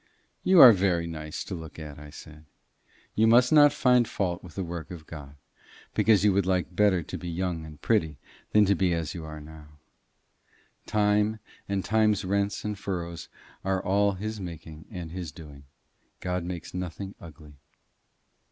"You are very nice to look at," I said. "You must not find fault with the work of God, because you would like better to be young and pretty than to be as you now are. Time and time's rents and furrows are all his making and his doing. God makes nothing ugly."